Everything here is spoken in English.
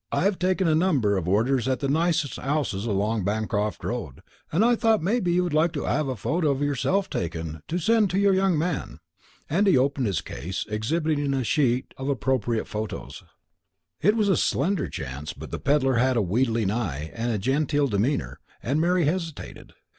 I 'ave taken a number of orders at the nicest 'ouses along Bancroft Road. I thought maybe you would like to 'ave a photo of yourself taken, to send to your young man." And he opened his case, exhibiting a sheaf of appropriate photos. It was a slender chance, but the pedlar had a wheedling eye and a genteel demeanour, and Mary hesitated.